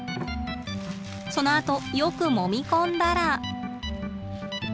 そのあとよくもみ込んだら。